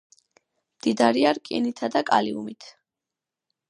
მდიდარია რკინითა და კალიუმით.